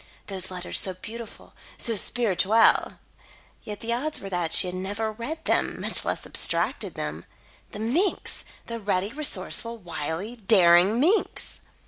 Those letters so beautiful, so spirituelle! Yet, the odds were that she had never read them, much less abstracted them. The minx! the ready, resourceful, wily, daring minx!